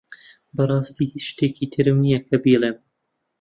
بەڕاستی هیچ شتێکی ترم نییە کە بیڵێم.